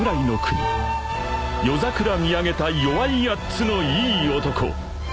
［夜桜見上げたよわい８つのいい男］